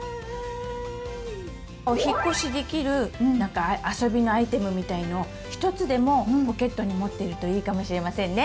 「お引っ越しできる」あそびのアイテムみたいのをひとつでもポケットに持ってるといいかもしれませんね！